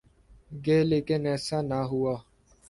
گے لیکن ایسا نہ ہوا۔